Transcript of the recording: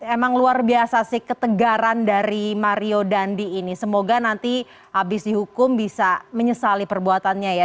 emang luar biasa sih ketegaran dari mario dandi ini semoga nanti habis dihukum bisa menyesali perbuatannya ya